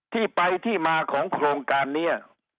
ที่ไปที่มาของโครงการนี้